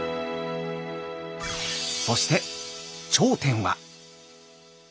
そして頂点は。